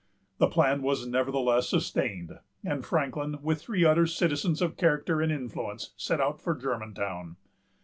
The plan was nevertheless sustained; and Franklin, with three other citizens of character and influence, set out for Germantown.